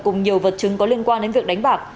cùng nhiều vật chứng có liên quan đến việc đánh bạc